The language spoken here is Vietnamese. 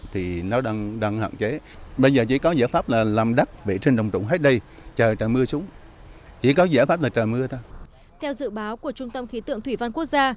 theo dự báo của trung tâm khí tượng thủy văn quốc gia